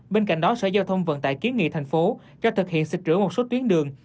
bên cạnh đó sở giao thông vận tải kiến nghị thành phố cho thực hiện xịt rửa một số tuyến đường